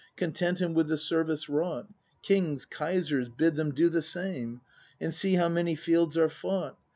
Content him with the service wrought. Kings, Kaisers, bid them do the same — And see how many fields are fought!